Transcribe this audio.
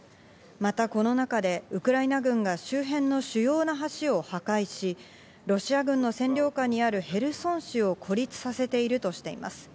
また、この中でウクライナ軍が周辺の主要な橋を破壊し、ロシア軍の占領下にあるヘルソン市を孤立させているとしています。